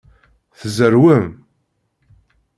Tzerrwem?